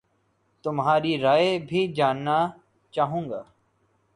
تمہاری رائے بھی جاننا چاہوں گا